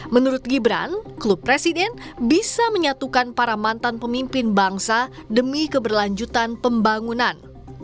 menurut gibran klub presiden bisa menyatukan para mantan pemimpin bangsa demi keberlanjutan pembangunan